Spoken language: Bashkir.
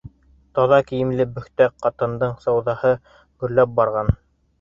Таҙа кейемле, бөхтә ҡатындың, сауҙаһы гөрләп барған.